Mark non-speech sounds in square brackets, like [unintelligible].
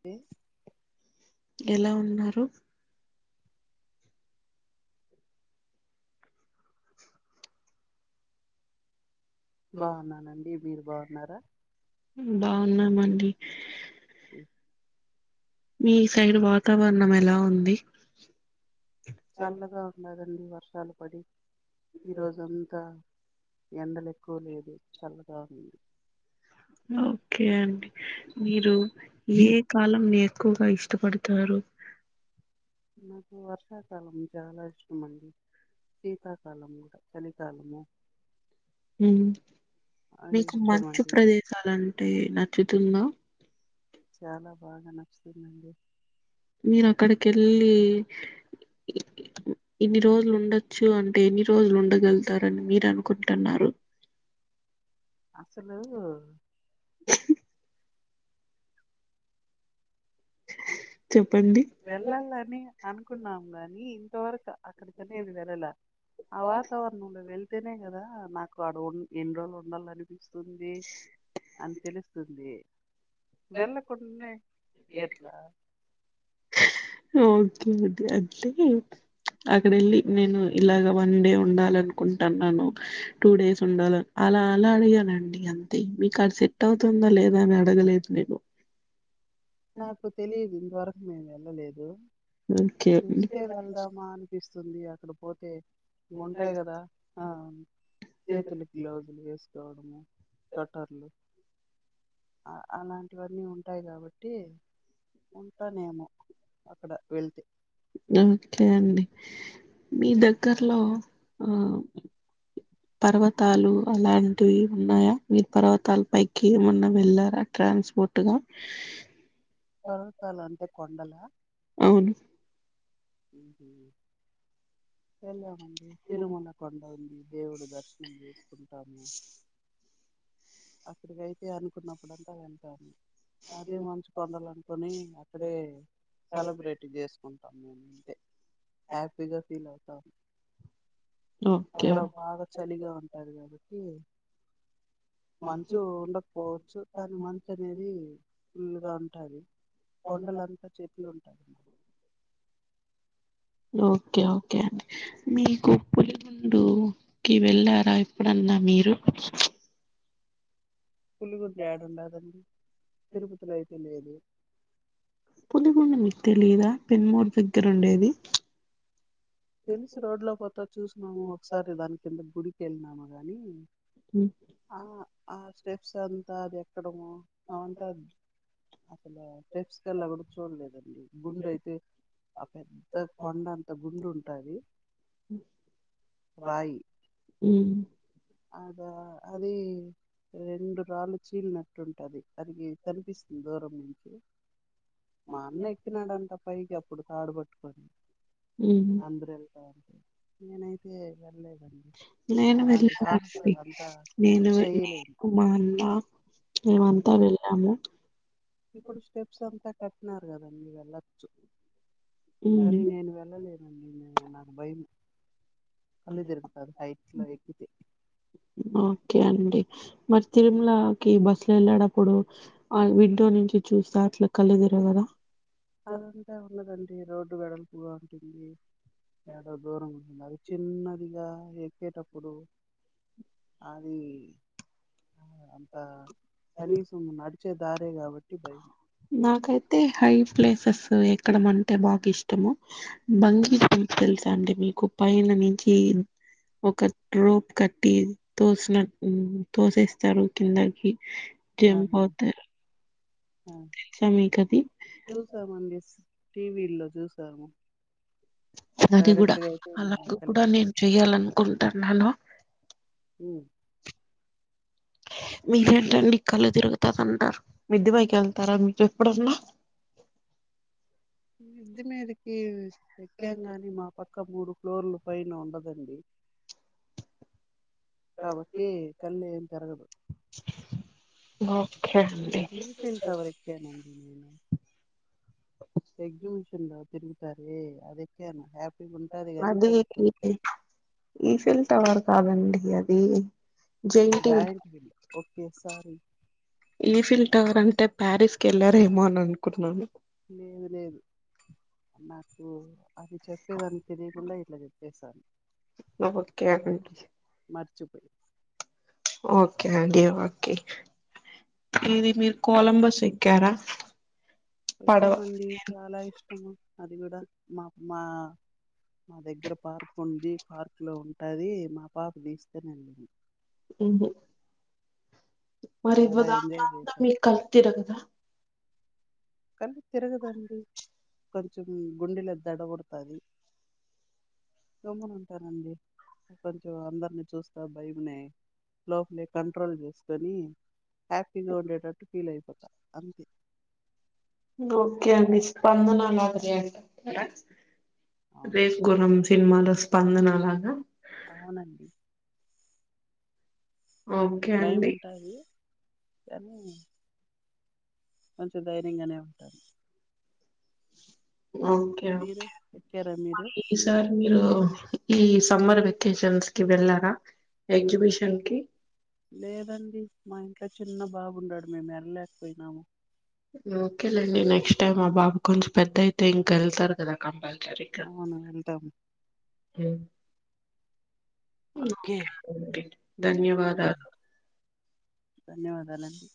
Pay [inaudible] ఎలా ఉన్నారు బాగున్నానండి మీరు బాగున్నారా ఇ [unintelligible] ఇ [inaudible] మీ సైడు వాతావరణం ఎలా ఉంది చల్లగా ఉండాదండి వర్షాలు పడి ఈరోజంతా ఎండలెక్కువ లేదు చల్లగా ఉంది ఓకే అండి మీరు ఏ కాలంని ఎక్కువగా ఇష్టపడతారు నాకు వర్షాకాలం చాలా ఇష్టమండి సీతాకాలం గూడ చలికాలము ఉ అది మీకు ఇష్టం మంచు అండి ప్రదేశాలంటే నచ్చుతుందా చాలా బాగా నచ్చుతుందండి మీరక్కడకెళ్ళీ ఇన్ని రోజులు ఉండొచ్చు అంటే ఎన్ని రోజులు ఉండగల్తారని మీరు అనుకుంటన్నారు [unintelligible] [inaudible] అసలూ చొప్ వెళ్ళాలని అనుకున్నామ్ గాని ఇంతవరకు అక్కడ్కనేది వెళ్ళాల ఆ వాతవరణంలో వెళ్తేనే గదా నాకు వాడున్ ఎండ్రోజులు ఉండాలనిపిస్తుంది అని తెలుస్తుంది వెళ్ళకుండ్నే ఎట్లా ఓకే అండి అంటే అకడెళ్ళి నేను ఇలాగ వన్ డే ఉండాలనుకుంటున్నాను టూ డేస్ ఉండాల అ అలా అలా అడిగానండి అంతే మీకాడ్ సెట్ట వుతుందా లేదా అని అడగలేదు నేను నాకు తెలిదు ఇంతవరకు నేన్ వెళ్ళలేదు ఉ చూస్తే వెళ్దామా అనిపిస్తుంది అక్కడ పోతే ముంటాయ్ గదా ఆ చేతులుకి గ్లౌజులు ఏస్ [inaudible] సెటర్లు అలాంటివన్నీ ఉంటాయ్ కాబ ట్టి ఉంటానేమో అక్కడ వెళ్తే ఓకే అండి మీ దగ్గర్లో ఆ పర్వతాలు అలాంటివి ఉన్నాయా మీరు పర్వతాల పైకి ఏమన్నా వెళ్లార ట్రాన్స్పోర్టు గా పర్వతాలంటే కొండలా అవును వెళ్యామన్ ఇంగ్ తిరుమల కొండ ఉంది దేవుడు దర్శనం జేసుకుంటాము అక్కడికైతే అనుకున్నప్పుడంతా వెళ్తాను అదే మంచు కొండలనుకొని అక్కడే సలబ్రేట్ జేసుకుంటాము మేము తే హ్యాపీగా ఫీలవుతాము ఓకే అక్కడ బాగా చలిగా ఉంటాది కాబట్టి మంచు ఉండకపోవచ్చు కానీ మంచు అనేది ఫుల్లుగా ఉంటాది కొండలంతా చెట్లుంటాయి ఓకే ఓకే అండి మీకు పులిగుండు కి వెళ్ళారా ఎప్పుడన్ న్న మీరు పులిగుండ యాడుండాదండి తిరుపతిలో అయితే లేదు పులిగుండ మీక్ తెలిదా పెన్మోర్ దగ్గెరుండేది తెలుసు రోడ్ లో పోత చూస్నాము ఒకసారి దాని కింద గుడికి ఎల్నాము గాని ఉ ఆ ఆ స్టెప్సంతా అది ఎక్కడము అవంతా అసలు స్టెప్స్ కల్లా కూడా చూడలేదండి ముందైతే ఆ పెద్ద కొండ అంత గుండు టది ఉ అదా అది రెండు రాళ్ళు చీలినట్టుంటది అరిగి కనిపిస్తుంది దూరం నుంచి మా అన్న ఎక్కినాడంట పైకి అప్పుడు తాడు పట్టుకని ఉమ్ అందరు వెళ్లారు నేనయితే ఎల్లలేదు నేను వెళ్ళాల్సి అంతా నేను నేను చేయలేను కు మాన్నా మేమంతా ఉమ్. వెళ్ళాము ఇప్పుడు స్టెప్స్ అంతా కట్టినారు కదండి వెళ్ళచ్చు ఉమ్ సరే నేను వెళ్ళలేనండి నేను నాకు భయం కళ్ళు తిరుగుతది అది హైట్లో ఎక్కితే ఓకే అండి మరి ఉమ్. తిరుమలకి బస్ అట్ వెళ్ళేడప్పుడు ఆ విండో నుంచి చూస్తే అట్లా కళ్ళు తిరగదా అదంతే ఉన్నదండి రోడ్డు వెడల్పుగా ఉంటుంది ఏదో దూరం ఉంది అది చిన్నదిగా ఎక్కేటప్పుడు అది అంత కనీసం నడిచే దారే కాబట్టి భయం నాకైతే హై ప్లేసెస్ ఎక్కడం అంటే బాగా ఇష్టము ఆ బంగీ తెలుసా అండి మీకు పైన నించి ఒక రోప్ కట్టి తోసిన తోసేస్తారు కిందకి ఆ జంప్ అవుతారు ఆ! తెలుసా మీకది టీవీలో చూసాము అది కూడా డైరెక్ట్ గా అయితే నేను అలాగ కూడా ఎక్కలేదు నేను చెయ్యాలనుకుంటున్నాను ఉ మీరేంట నీ కళ తిరుగుతదంట మిద్ది పైకి వెళ్తారా మీరు ఎప్పుడన్నా మిద్ది మీదకి ఎక్కాం గాని మా పక్క మూడు ఫ్లోర్లు పైన ఉండదు కండి కాబట్టి కళ్లు ఏం తిరగదు ఓకే అండి ఈఫిల్ టవర్ ఎక్కానండి నేను ఎగ్జిబిషన్ లో తిరుగుతార అది కనుక్కోండి ఈఫిల్ టవర్ కాదండి అది ఉ giant wheel okay sorry Eiffel tower అంటే ప్యారిస్ కి వెళ్ళారేమో అని అనుకుంటున్నాను లేదు లేదు నాకు అది చెప్పేదాని తెలియకుండా ఇట్లా చెప్పేశాను ఒకే అండి మరిచిపోయి ఓకే అండి ఒకే ఇది మీరు కొలంబస్ ఎక్కారా పడవ ఎక్కామండి చాలా ఇష్టము అది కూడా మా అమ్మ మా దగ్గర పార్క్ ఉంది పార్క్ లో ఉంటది మా పాప తీసుకెళ్ళింది ఏందో చాలా ఎంజాయ్ చేశాం [unintelligible] కళ్ళు తిరగదండి కొంచెం గుండెలో దడపుడతాది సమను ఉంటనండి కొంచెం అందరిని చూస్తా భయమునే లోపలే కంట్రోల్ చేసుకొని హ్యాపీగా ఉండేటట్టు ఫీల్ అయిపోతా అంతే ఓకే అండి స్పందన లాంటివి అంట అవును రేసుగుర్రం సినిమాలో స్పందన లాగా అవునండి ఓకే భయం అండి ఉంటది కానీ కొంచెం ధైర్యంగానే ఉంటాను ఓకే మీరు ఓకే ఎక్కారా మీరు ఈ సారి మీరు ఈ సమ్మర్ వెకేషన్స్ కి వెళ్ళారా ఎగ్జిబిషన్ కి లేదండి మా ఇంట్లో చిన్న బాబు ఉన్నాడు మేము వెళ్ళలేక పోయినము ఓకేలేండి నెక్స్ట్ టైమ్ ఆ బాబు కొంచెం పెద్దయితే ఇంక వెళ్తారు కదా కంపల్సరీ అవును వెళ్తాం ఉమ్ ఓకే ధన్యవాదాలు ధన్యవాదాలండి